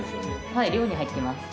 はい寮に入ってます。